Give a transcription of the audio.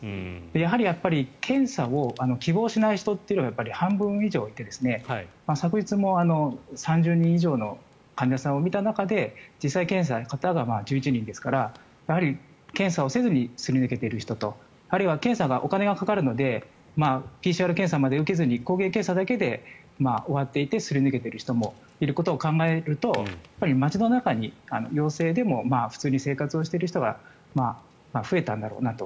やはり、検査を希望しない人が半分以上いて昨日も３０人以上の患者さんを診た中で実際に検査をした方が１１人ですからやはり検査をせずにすり抜けている人とあるいは検査にはお金がかかるのでＰＣＲ検査まで受けずに抗原検査だけで終わっていてすり抜けている人もいることを考えると街の中に陽性でも普通に生活をしている人が増えたんだろうなと。